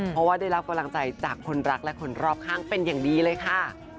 เพราะว่าได้รับกำลังใจจากคนรักและคนรอบข้างเป็นอย่างดีเลยค่ะ